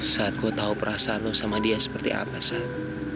saat gue tau perasaan lo sama dia seperti apa san